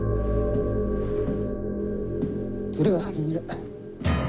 連れが先にいる。